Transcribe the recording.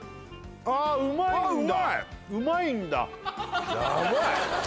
ああうまいんだ